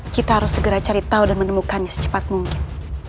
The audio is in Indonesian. kita harus segera cari tahu dan menemukannya secepat mungkin